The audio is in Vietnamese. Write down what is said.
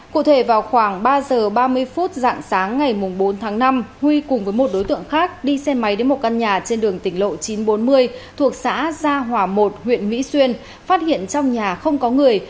cụ thể vào khoảng ba giờ ba mươi phút dạng sáng ngày bốn tháng năm huy cùng với một đối tượng khác đi xe máy đến một căn nhà trên đường tỉnh lộ chín trăm bốn mươi thuộc xã gia hòa một huyện mỹ xuyên phát hiện trong nhà không có người